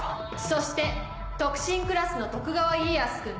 そして特進クラスの徳川家康君。